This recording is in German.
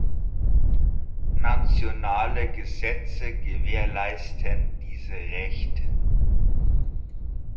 Nationale Gesetze gewährleisten diese Rechte.